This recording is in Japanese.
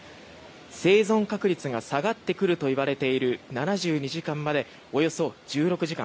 生存確率が下がってくるといわれている７２時間までおよそ１６時間。